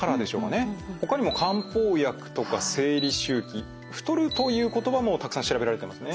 ほかにも「漢方薬」とか「生理周期」「太る」という言葉もたくさん調べられてますね。